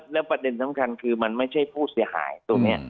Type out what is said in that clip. แล้วประเด็นสำคัญคือมันไม่ใช่ผู้เสียหายตรงนี้